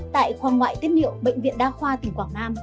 tại khoa ngoại tiết niệu bệnh viện đa khoa tỉnh quảng nam